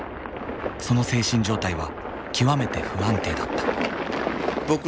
その精神状態は極めて不安定だった。